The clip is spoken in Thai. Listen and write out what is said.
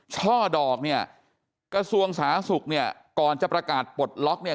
ช่อดอกเนี่ยกระทรวงสาธารณสุขเนี่ยก่อนจะประกาศปลดล็อกเนี่ย